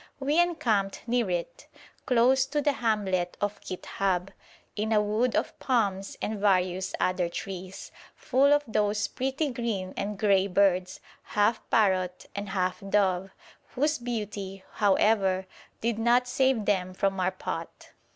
We encamped near it, close to the hamlet of Kit'hab, in a wood of palms and various other trees, full of those pretty green and grey birds, half parrot and half dove, whose beauty, however, did not save them from our pot.